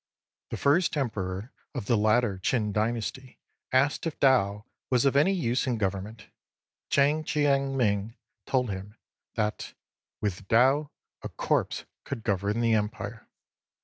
The first Emperor of the later Chin dynasty asked if Tao was of any use in government. Chang Ch'ien ming told him that " with Tao a corpse could govern the Empire."